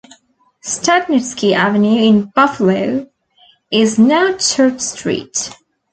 Stadnitski Avenue in Buffalo is now Church Street.